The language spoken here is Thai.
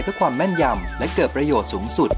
ความแม่นยำและเกิดประโยชน์สูงสุด